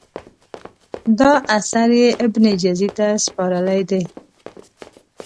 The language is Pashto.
دا اثر یې ابن جزي ته سپارلی دی.